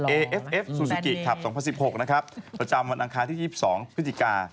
เอเอฟเอฟซูซิกิถับสองพันสิบหกนะครับประจำวันอังคารที่ยี่สิบสองพฤติกา